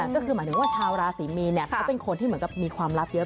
ก็คือหมายถึงว่าชาวราศีมีนเขาเป็นคนที่เหมือนกับมีความลับเยอะ